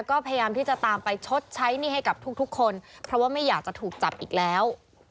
ก็พยายามที่จะตามไปชดใช้หนี้ให้กับทุกคนเพราะว่าไม่อยากจะถูกจับอีกแล้ว